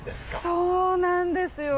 そうなんですよ。